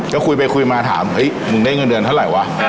ก็คุยไปคุยมาถามเฮ้ยมึงได้เงินเดือนเท่าไหร่วะ